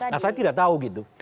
nah saya tidak tahu gitu